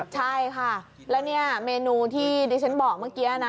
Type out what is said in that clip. ใช่ค่ะและเมนูที่ในฉันบอกเมื่อกี้น่ะ